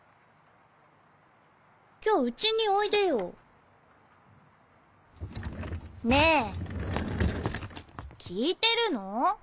今日家においでよ。ねぇ！聞いてるの？